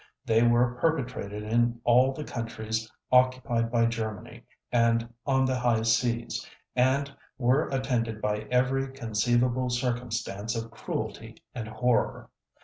They were perpetrated in all the countries occupied by Germany, and on the High Seas, and were attended by every conceivable circumstance of cruelty and horror.